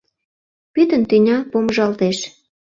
Пӱтынь тӱня помыжалтеш: